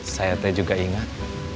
saya juga ingat